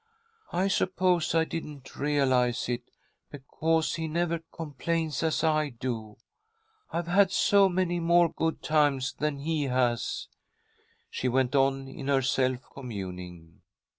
I suppose I didn't realize it, because he never complains as I do. I've had so many more good times than he has," she went on in her self communing.